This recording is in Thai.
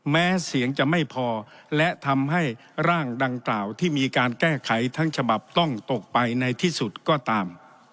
แม้เสียงจะไม่พอและทำให้ร่างดังกล่าวที่มีการแก้ไขทั้งฉบับต้องตกไปในที่สุดก็ตาม